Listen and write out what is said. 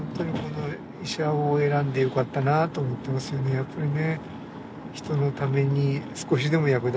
やっぱりね。